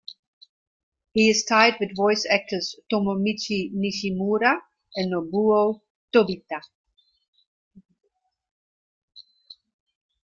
He is tied with voice actors Tomomichi Nishimura and Nobuo Tobita.